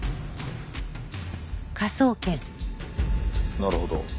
なるほど。